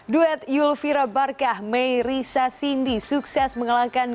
duet yulvira barkah merisa sindi sukses mengalahkan